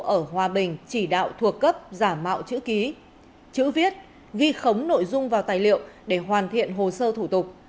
ở hòa bình chỉ đạo thuộc cấp giả mạo chữ ký chữ viết ghi khống nội dung vào tài liệu để hoàn thiện hồ sơ thủ tục